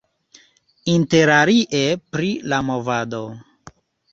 Interalie pri la movado.